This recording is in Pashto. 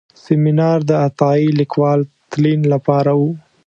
سیمینار د عطایي لیکوال تلین لپاره و.